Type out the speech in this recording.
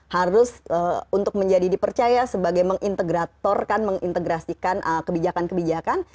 harus untuk menjadi dipercaya sebagai mengintegratorkan mengintegrasikan kebijakan kebijakan